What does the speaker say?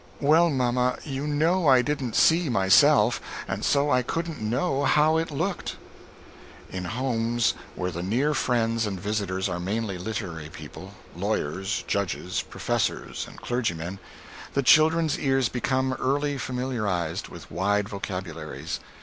"Well, mamma, you know I didn't see myself, and so I couldn't know how it looked." In homes where the near friends and visitors are mainly literary people lawyers, judges, professors and clergymen the children's ears become early familiarized with wide vocabularies.